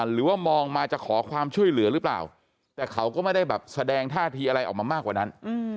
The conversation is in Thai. หรือว่ามองมาจะขอความช่วยเหลือหรือเปล่าแต่เขาก็ไม่ได้แบบแสดงท่าทีอะไรออกมามากกว่านั้น